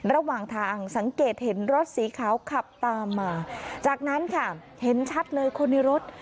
ระหว่างทางสังเกตเห็นรถสีขาวขับตามมาจากนั้นค่ะเห็นชัดเลยคนในรถ